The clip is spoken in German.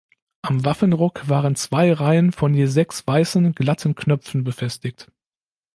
Am Waffenrock waren zwei Reihen von je sechs weißen, glatten Knöpfen befestigt.